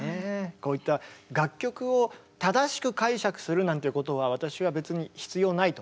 こういった楽曲を正しく解釈するなんていうことは私は別に必要ないと思ってるんですけど。